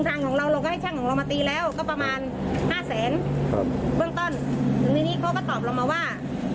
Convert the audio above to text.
ตอนนี้เขาก็ตอบลงมาว่า